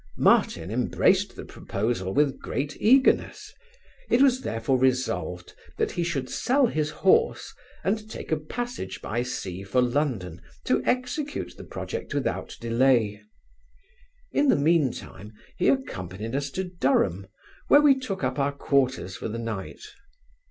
Martin embraced the proposal with great eagerness; it was therefore resolved, that he should sell his horse, and take a passage by sea for London, to execute the project without delay In the mean time he accompanied us to Durham, were we took up our quarters for the night.